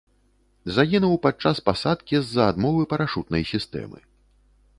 Загінуў падчас пасадкі з-за адмовы парашутнай сістэмы.